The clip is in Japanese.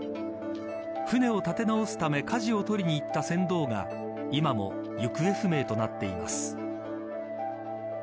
舟を立て直すためかじを取りに行った船頭が今も行方不明となっています。